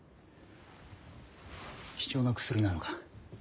貴重な薬なのか？